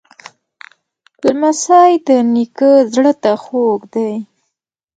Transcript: لمسی د نیکه زړه ته خوږ دی.